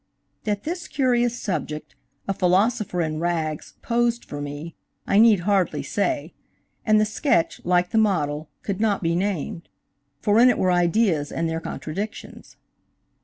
That this curious subject, a philosopher in rags, posed for me, I need hardly say; and the sketch, like the model, could not be named, for in it were ideas and their contradictions.